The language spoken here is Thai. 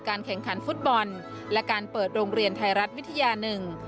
แข่งขันฟุตบอลและการเปิดโรงเรียนไทยรัฐวิทยาหนึ่ง